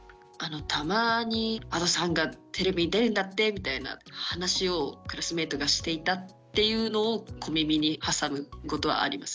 たまにＡｄｏさんがテレビに出るんだってみたいな話をクラスメートがしていたっていうのを小耳に挟むことはあります。